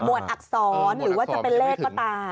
วดอักษรหรือว่าจะเป็นเลขก็ตาม